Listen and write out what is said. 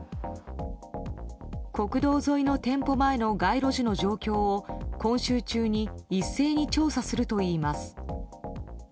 国道沿いの店舗前の街路樹の状況を今週中に一斉に調査するといいます。